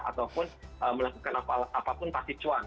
ataupun melakukan apapun pasti cuan